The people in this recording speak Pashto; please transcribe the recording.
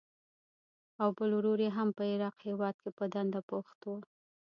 او بل ورور یې هم په عراق هېواد کې په دنده بوخت و.